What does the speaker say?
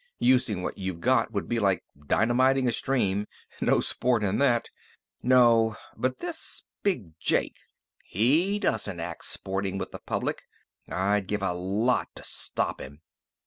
Usin' what you've got would be like dynamitin' a stream. No sport in that! No! But this Big Jake, he doesn't act sporting with the public. I'd give a lot to stop him."